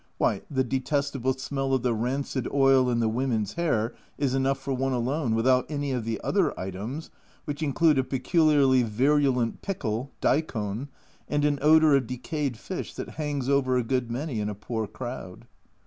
Why, the detestable smell of the rancid oil in the women's hair is enough for one alone, without any of the other items, which include a peculiarly virulent pickle, datkon, and an odour of decayed fish that hangs over a good many in a poor crowd.